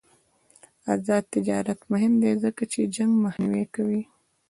آزاد تجارت مهم دی ځکه چې جنګ مخنیوی کوي.